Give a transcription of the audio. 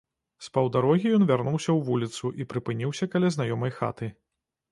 З паўдарогі ён вярнуўся ў вуліцу і прыпыніўся каля знаёмай хаты.